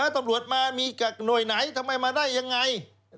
ตำรวจมามีกับหน่วยไหนทำไมมาได้ยังไง